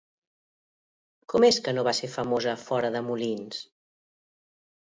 Com és que no va ser famosa fora de Molins?